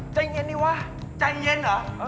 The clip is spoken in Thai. ใจเย็นดีวะใจเย็นเหรอ